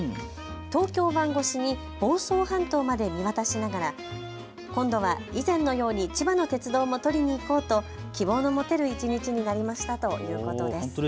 東京湾越しに房総半島まで見渡しながら今度は以前のように千葉の鉄道も撮りに行こうと、希望の持てる一日になりましたということです。